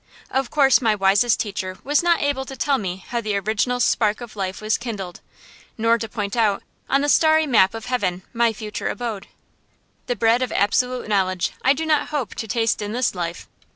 Of course my wisest teacher was not able to tell me how the original spark of life was kindled, nor to point out, on the starry map of heaven, my future abode. The bread of absolute knowledge I do not hope to taste in this life.